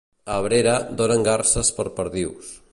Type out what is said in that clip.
A Abrera, donen garses per perdius.